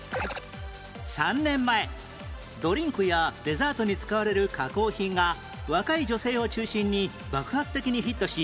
３年前ドリンクやデザートに使われる加工品が若い女性を中心に爆発的にヒットし